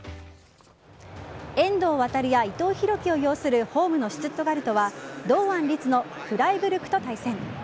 遠藤航や伊藤洋輝を擁するホームのシュツットガルトは堂安律のフライブルクと対戦。